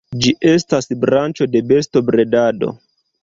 Ĝi estas branĉo de bestobredado.